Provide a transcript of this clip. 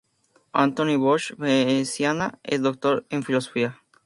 Antoni Bosch-Veciana es doctor en Filosofía.